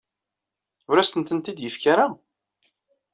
Ur asent-tent-id-yettak ara?